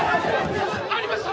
ありました？